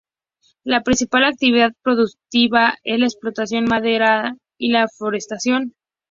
La principal actividad productiva es la explotación maderera y la forestación.